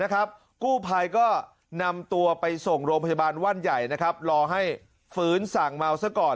กู้ภัยก็นำตัวไปส่งโรงพยาบาลว่านใหญ่รอให้ฟื้นสั่งเมาซะก่อน